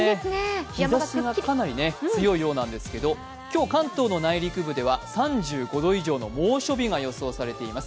日ざしがかなり強いようですが今日、関東の内陸部では３５度以上の猛暑日が予想されています。